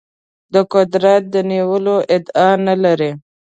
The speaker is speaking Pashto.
د قدرت د نیولو ادعا نه لري.